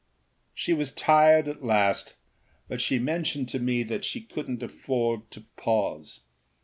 She was tired at last, but she mentioned to me that she couldnât afford to pause.